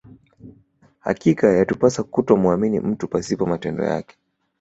Hakika yatupasa kutomuamini mtu pasipo matendo yake